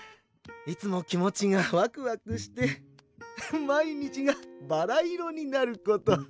いつも気持ちがワクワクして毎日がバラ色になること。